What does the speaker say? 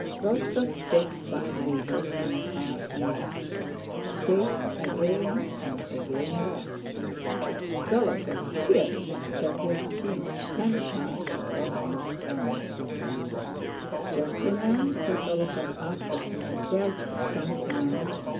Rostóv staked five rubles on a card and lost, staked again, and again lost. Dólokhov "killed," that is, beat, ten cards of Rostóv's running. "Gentlemen," said Dólokhov after he had dealt for some time.